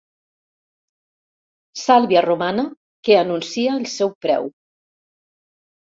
Sàlvia romana que anuncia el seu preu.